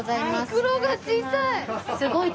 袋が小さい！